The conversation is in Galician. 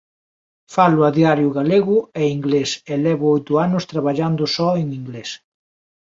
Falo a diario galego e inglés e levo oito anos traballando só en inglés